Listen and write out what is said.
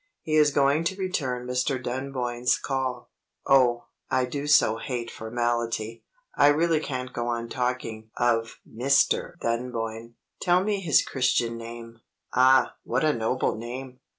He is going to return Mr. Dunboyne's call. Oh, I do so hate formality; I really can't go on talking of Mr. Dunboyne. Tell me his Christian name. Ah, what a noble name!